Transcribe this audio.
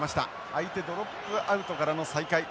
相手ドロップアウトからの再開。